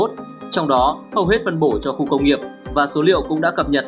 trong đó hầu hết phân bổ cho khu công nghiệp và số liệu cũng đã cập nhật